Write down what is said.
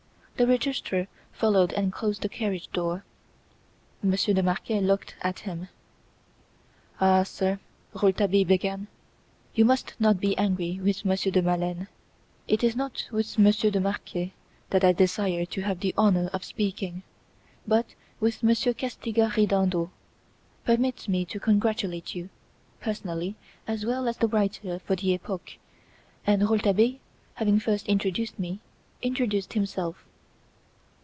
The Registrar followed and closed the carriage door. Monsieur de Marquet looked at him. "Ah, sir," Rouletabille began, "You must not be angry with Monsieur de Maleine. It is not with Monsieur de Marquet that I desire to have the honour of speaking, but with Monsieur 'Castigat Ridendo.' Permit me to congratulate you personally, as well as the writer for the 'Epoque.'" And Rouletabille, having first introduced me, introduced himself.